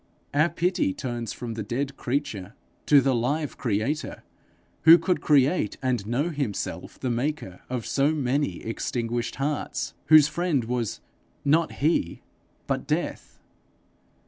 Our pity turns from the dead creature to the live creator who could live and know himself the maker of so many extinguished hearts, whose friend was not he, but Death.